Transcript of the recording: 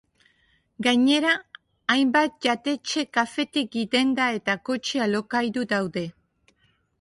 Gainera hainbat jatetxe, kafetegi, denda, eta kotxe-alokairu daude.